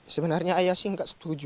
sebenarnya ayah sih nggak setuju